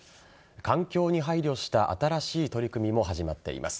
環境に配慮した新しい取り組みも始まっています。